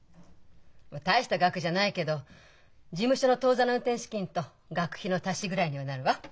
まあ大した額じゃないけど事務所の当座の運転資金と学費の足しぐらいにはなるわ！